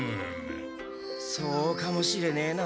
そうかもしれねえな。